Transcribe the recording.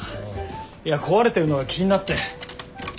いや壊れてるのが気になって。